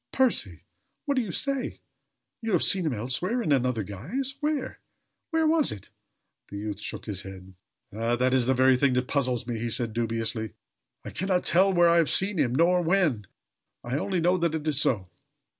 "Percy! What do you say? You have seen him elsewhere in another guise? Where? Where was it?" The youth shook his head. "Ah! that is the very thing that puzzles me," he said, dubiously. "I can not tell where I have seen him, nor when. I only know that it is so."